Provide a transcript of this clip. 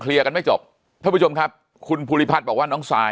กันไม่จบท่านผู้ชมครับคุณภูริพัฒน์บอกว่าน้องซาย